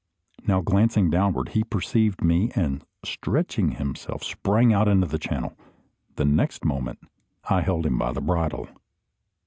Now glancing downward, he perceived me, and stretching himself, sprang out into the channel. The next moment I held him by the bridle.